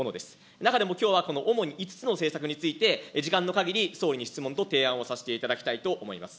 中でもきょうはこの主に５つの政策について、時間のかぎり、総理に質問と提案をさせていただきたいと思います。